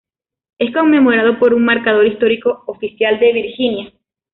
Es conmemorado por un marcador histórico oficial de Virginia.